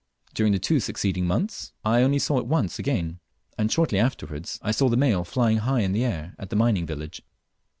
During the two succeeding months I only saw it once again, and shortly afterwards I saw the male flying high in the air at the mining village.